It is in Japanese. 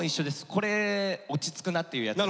これ落ち着くなっていうやつ。